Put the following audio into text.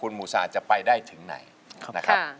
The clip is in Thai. เพลงที่เจ็ดเพลงที่แปดแล้วมันจะบีบหัวใจมากกว่านี้